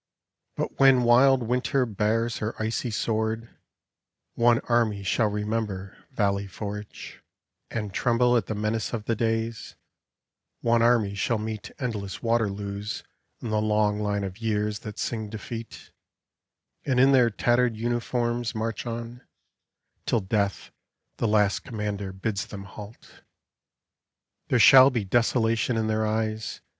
But when wild Winter bares her icy sword, One army shall remember Valley Forge, PEACE And tremble at the menace of the days; One army shall meet endless Waterloos In the long line of years that sing defeat, And in their tattered uniforms march on, Till Death, the last Commander, bids them halt. There shall be desolation in their eyes.